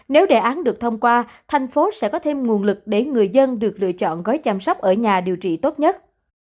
nếu đề án được thông qua thành phố sẽ có thêm nguồn lực để người dân được lựa chọn gói chăm sóc ở nhà điều trị tốt nhất